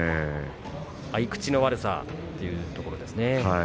合い口の悪さというところですね。